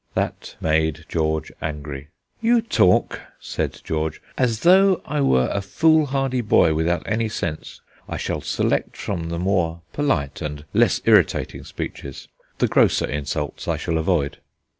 That made George angry. "You talk," said George, "as though I were a foolhardy boy without any sense. I shall select from the more polite and less irritating speeches; the grosser insults I shall avoid."